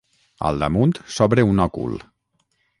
Al damunt s'obre un òcul.